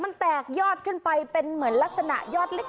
มันแตกยอดขึ้นไปเป็นเหมือนลักษณะยอดเล็ก